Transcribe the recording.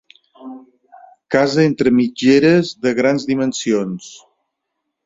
Casa entre mitgeres de grans dimensions.